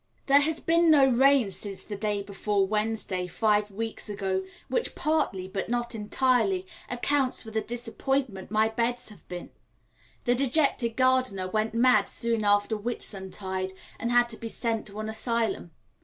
There has been no rain since the day before Whitsunday, five weeks ago, which partly, but not entirely, accounts for the disappointment my beds have been. The dejected gardener went mad soon after Whitsuntide, and had to be sent to an asylum.